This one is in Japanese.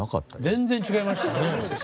全然違いましたね。